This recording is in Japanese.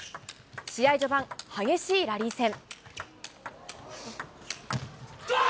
試合序盤、激しいラリー戦。